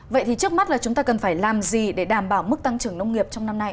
vậy thì trước mắt là chúng ta cần phải làm gì để đảm bảo mức tăng trưởng nông nghiệp trong năm nay